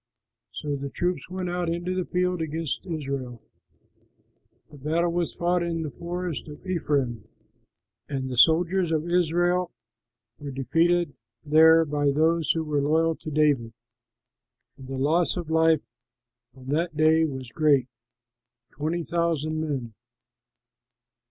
So the troops went out into the field against Israel. The battle was fought in the forest of Ephraim. And the soldiers of Israel were defeated there by those who were loyal to David, and the loss of life on that day was great twenty thousand men.